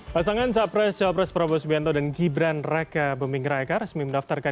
hai pasangan capres capres prabowo subianto dan gibran reka bumingra eka resmi mendaftarkan